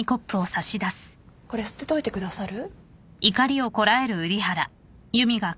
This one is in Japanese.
これ捨てといてくださる？